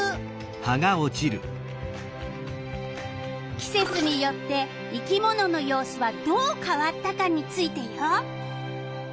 季節によって生き物の様子はどう変わったかについてよ。